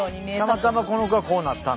たまたまこの子はこうなったんだ。